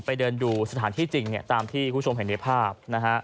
เดินดูสถานที่จริงตามที่คุณผู้ชมเห็นในภาพนะฮะ